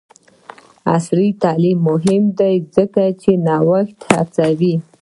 عصري تعلیم مهم دی ځکه چې نوښت هڅوي.